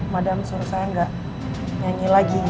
madang suruh saya enggak nyanyi lagi